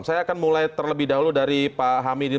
saya akan mulai terlebih dahulu dari pak hamidin